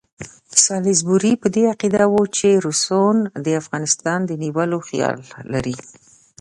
سالیزبوري په دې عقیده وو چې روسان د افغانستان نیولو خیال لري.